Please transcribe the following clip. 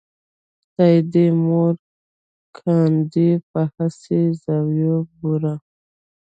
خدای دې مور کاندې په هسې زویو بوره